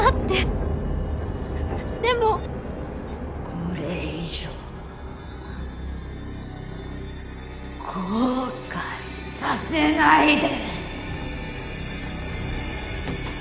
これ以上後悔させないで！